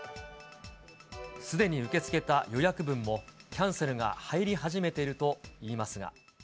すでに受け付けた予約分も、キャンセルが入り始めているといいますが。